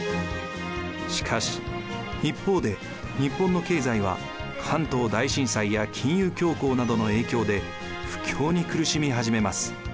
しかし一方で日本の経済は関東大震災や金融恐慌などの影響で不況に苦しみ始めます。